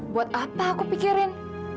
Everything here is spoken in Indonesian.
buat apa aku pikirin